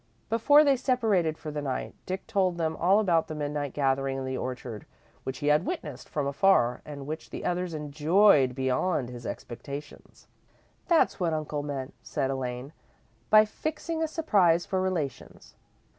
Before they separated for the night, Dick told them all about the midnight gathering in the orchard, which he had witnessed from afar, and which the others enjoyed beyond his expectations. "That's what uncle meant," said Elaine, "by 'fixing a surprise for relations.'"